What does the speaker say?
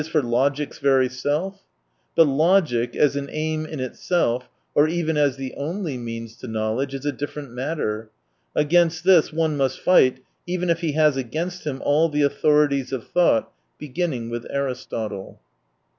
for logic's very self ? But logic, as an aim in itself, or even as the only means to know ledge, is a different matter. Against this one must fight even if he has against him all the authorities of thought — beginning with Aristotle.